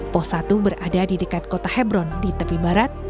pos satu berada di dekat kota hebron di tepi barat